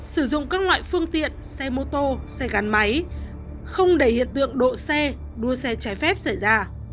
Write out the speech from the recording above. sử dụng các loại phương tiện xe mô tô xe gắn máy không để hiện tượng độ xe đua xe trái phép xảy ra